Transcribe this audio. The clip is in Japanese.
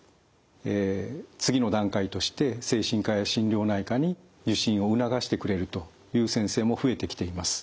次の段階として精神科や心療内科に受診を促してくれるという先生も増えてきています。